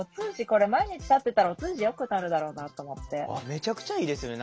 めちゃくちゃいいですよね。